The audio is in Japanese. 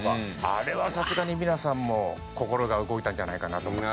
あれはさすがに皆さんも心が動いたんじゃないかなと思って。